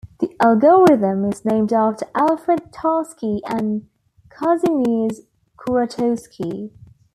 The algorithm is named after Alfred Tarski and Kazimierz Kuratowski.